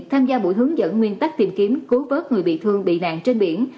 tham gia buổi hướng dẫn nguyên tắc tìm kiếm cứu vớt người bị thương bị nạn trên biển